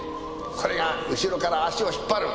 これが後ろから足を引っ張る」